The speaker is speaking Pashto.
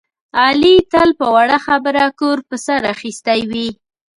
علي تل په وړه خبره کور په سر اخیستی وي.